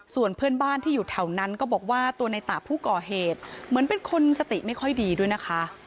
ส่วนเพื่อนบ้านที่อยู่แถวนั้นก็บอกว่าตัวในตาผู้ก่อเหตุเหมือนเป็นคนสติไม่ค่อยดีด้วยนะคะ